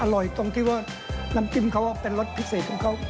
ตรงที่ว่าน้ำจิ้มเขาเป็นรสพิเศษของเขา